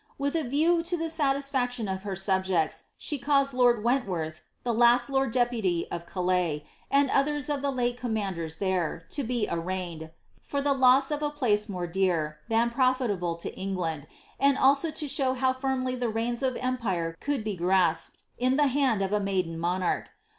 With a view to the satis UctioD of her subjects, she caused lord Wentworth, the last lord deputy of Calais, and others of the late commanders there, to be arraigned, for she loss of a place more dear, than profitable to England, and also to show how firmly the reins of empire could be grasped, in the hand of a maiden monarch.